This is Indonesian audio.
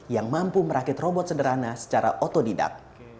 yang mampu merakit robot sederhana secara otodidak